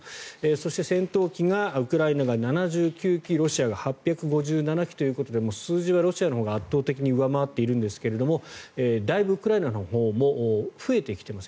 そして、戦闘機がウクライナが７９機ロシアが８５７機ということで数字はロシアのほうが圧倒的に上回っているんですがだいぶウクライナのほうも増えてきています。